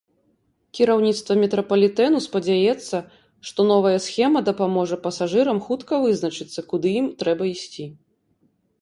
Кіраўніцтва метрапалітэну спадзяецца, што новая схема дапаможа пасажырам хутка вызначыцца, куды ім трэба ісці.